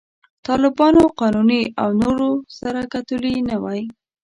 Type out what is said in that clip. طالبانو، قانوني او نور سره کتلي نه وای.